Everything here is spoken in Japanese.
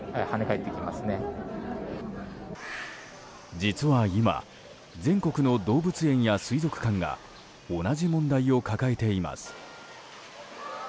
実は今全国の動物園や水族館が同じ問題を抱えています。